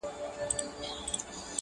لړۍ د اوښکو ګريوانه ته تلله!!